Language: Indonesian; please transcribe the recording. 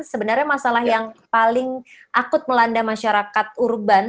sebenarnya masalah yang paling akut melanda masyarakat urban